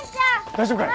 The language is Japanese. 大丈夫かい？